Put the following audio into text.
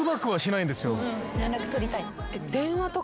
連絡取りたい。